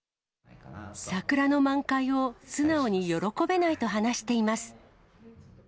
桜の満開を素直に喜べないと話しています。